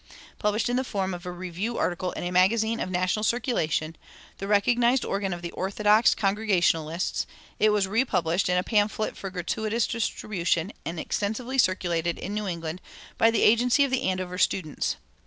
Published in the form of a review article in a magazine of national circulation, the recognized organ of the orthodox Congregationalists, it was republished in a pamphlet for gratuitous distribution and extensively circulated in New England by the agency of the Andover students.